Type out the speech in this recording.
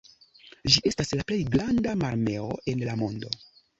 Ĝi estas la plej granda mararmeo en la mondo.